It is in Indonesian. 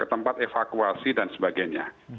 ketempat evakuasi dan sebagainya